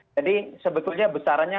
jadi sebetulnya besarannya